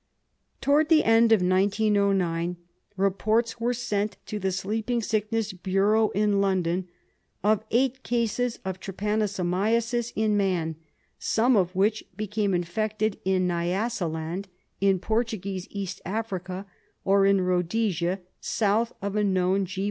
Towards the end of 1909 rejDorts were sent to the Sleeping Sickness Bureau in London of eight cases of trypanosomiasis in man, some of which became infected in Nyasaland, in Portuguese East Africa, or in Rhodesia, south of a known G.